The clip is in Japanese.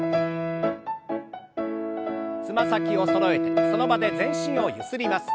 つま先をそろえてその場で全身をゆすります。